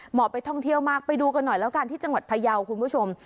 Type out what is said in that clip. ไปท่องเที่ยวมากไปดูกันหน่อยแล้วกันที่จังหวัดพยาวคุณผู้ชม